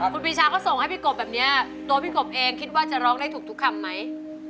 คุณปีชาก็ส่งให้พี่กบแบบนี้ตัวพี่กบเองคิดว่าจะร้องได้ถูกทุกคำไหม